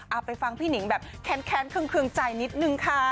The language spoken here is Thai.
ไปฟังพี่หนิงแบบแค้นเครื่องใจนิดนึงค่ะ